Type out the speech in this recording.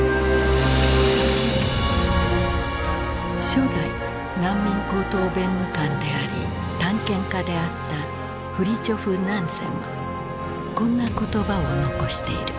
初代難民高等弁務官であり探検家であったフリチョフ・ナンセンはこんな言葉を残している。